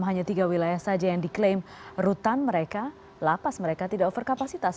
hanya tiga wilayah saja yang diklaim rutan mereka lapas mereka tidak over kapasitas